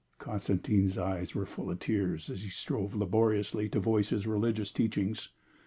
Constantine's eyes were full of tears as he strove laboriously to voice his religious teachings.